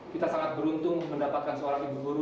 kita sangat beruntung mendapatkan seorang ibu guru